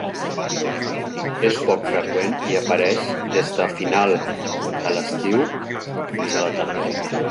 És poc freqüent i apareix des de final de l'estiu fins a la tardor.